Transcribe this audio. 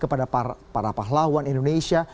ada para pahlawan indonesia